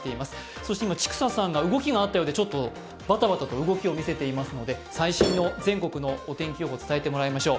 そして今、千種さんが動きがあったようで、バタバタと動きを見せていますので最新の全国のお天気を伝えてもらいましょう。